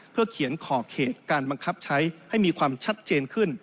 เพื่อเขียนขอบเขตการบังคับใช้ให้มีความชัดเจนขึ้น